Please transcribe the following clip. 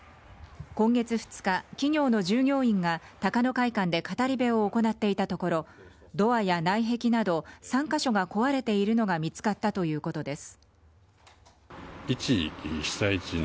今月２日、企業の従業員が高野会館で語り部を行っていたところドアや内壁など３カ所が壊れているのが見つかったということです。